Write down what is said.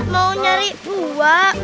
mau nyari buah